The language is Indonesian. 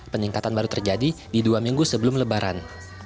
peningkatan baru terjadi di dua minggu sebelum lebaran